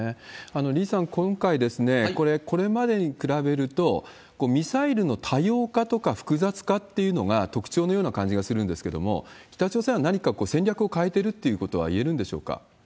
李さん、今回、これ、これまでに比べると、ミサイルの多様化とか複雑化っていうのが特徴のような感じがするんですけど、北朝鮮は何か戦略を変えてるってことはいえるんでしょうか？